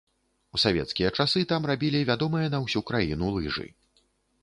У савецкія часы там рабілі вядомыя на ўсю краіну лыжы.